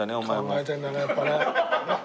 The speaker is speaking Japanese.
考えてるんだねやっぱね。